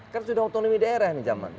kan sudah otonomi daerah ini zaman